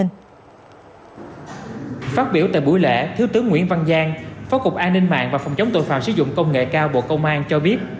phát biểu tại buổi lễ thiếu tướng nguyễn văn giang phó cục an ninh mạng và phòng chống tội phạm sử dụng công nghệ cao bộ công an cho biết